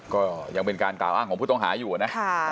ก็ยังเป็นการกล่าวอ้างของผู้ต้องหาอยู่นะ